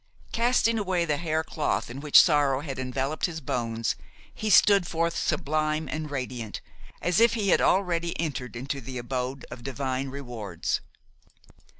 Casting away the haircloth in which sorrow had enveloped his bones, he stood forth sublime and radiant as if he had already entered into the abode of divine rewards.